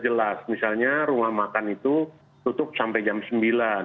jelas misalnya rumah makan itu tutup sampai jam sembilan